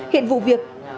hiện vụ việc